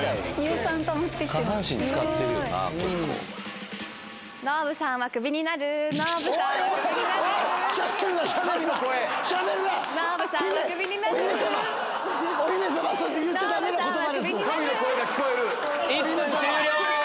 ノブさんはクビになるー。